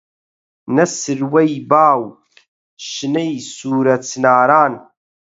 نە سروەی با و شنەی سوورە چناران